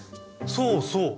そうそう！